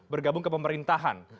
bergabung ke pemerintahan